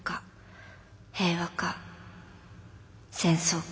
平和か戦争か」。